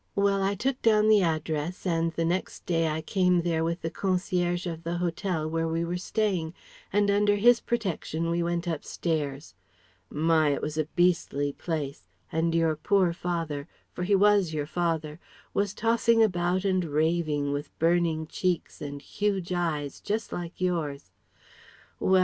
"Well: I took down the address and the next day I came there with the concierge of the hotel where we were staying, and under his protection we went upstairs. My! it was a beastly place and your poor father for he was your father was tossing about and raving, with burning cheeks and huge eyes, just like yours. Well!